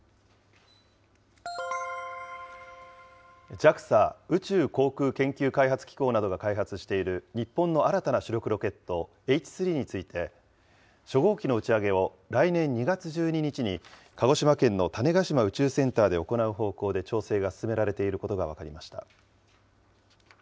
ＪＡＸＡ・宇宙航空研究開発機構などが開発している日本の新たな主力ロケット、Ｈ３について、初号機の打ち上げを来年２月１２日に、鹿児島県の種子島宇宙センターで行う方向で調整が進められていることが分かりました。